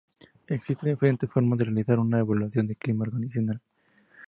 Existen diferentes formas de realizar una evaluación de clima organizacional.